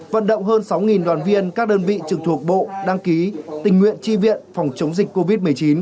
vận động hơn sáu đoàn viên các đơn vị trực thuộc bộ đăng ký tình nguyện tri viện phòng chống dịch covid một mươi chín